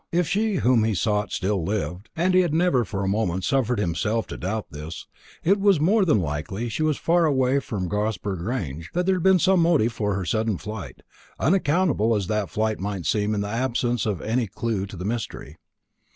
If she whom he sought still lived and he had never for a moment suffered himself to doubt this it was more than likely that she was far away from Crosber Grange, that there had been some motive for her sudden flight, unaccountable as that flight might seem in the absence of any clue to the mystery.